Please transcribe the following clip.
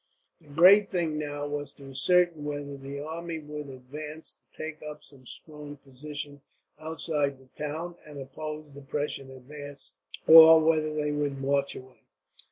The great thing, now, was to ascertain whether the army would advance to take up some strong position outside the town and oppose the Prussian advance, or whether they would march away.